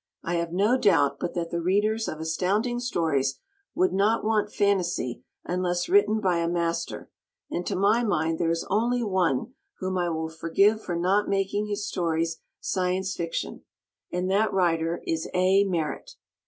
I have no doubt but that the Readers of Astounding Stories would not want fantasy unless written by a master; and to my mind there is only one whom I will forgive for not making his stories Science Fiction, and that writer is A. Merritt.